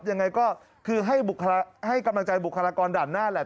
ยังไงก็คือให้กำลังใจบุคลากรด่านหน้าแหละ